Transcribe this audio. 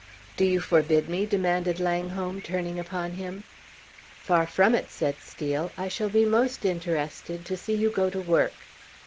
"Do you forbid me?" demanded Langholm, turning upon him. "Far from it," said Steel. "I shall be most interested to see you go to work."